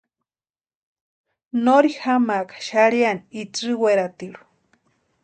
Nori jamaaka xarhiani itsï weratirhu.